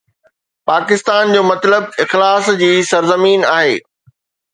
پاڪستان جو مطلب اخلاص جي سرزمين آهي